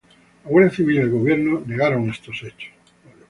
La Guardia Civil y el gobierno negaron estos hechos.